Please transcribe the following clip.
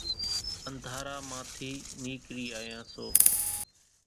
انڌارا مان ٿي نيڪري آيان سو